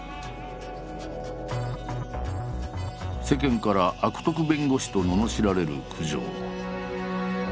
世間から「悪徳弁護士」とののしられる九条。